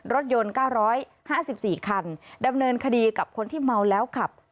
รถยนต์เก้าร้อยห้าสิบสี่คันดำเนินคดีกับคนที่เมาแล้วขับ